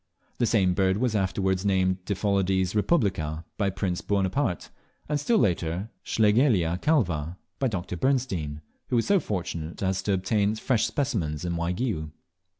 The same bird was afterwards named "Diphyllodes respublica" by Prince Buonaparte, and still later, "Schlegelia calva," by Dr. Bernstein, who was so fortunate as to obtain fresh specimens in Waigiou.